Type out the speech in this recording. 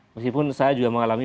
meskipun saya juga mengalami